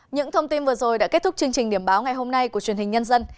những thông tin vừa rồi đã kết thúc chương trình điểm báo ngày hôm nay của truyền hình nhân dân